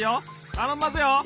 たのんますよ！